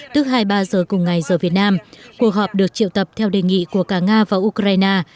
tức hai mươi ba giờ cùng ngày giờ việt nam cuộc họp được triệu tập theo đề nghị của cả nga và ukraine